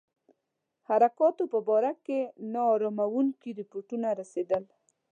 حرکاتو په باره کې نا اراموونکي رپوټونه رسېدل.